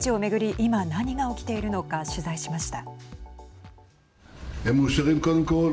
今何が起きているのか取材しました。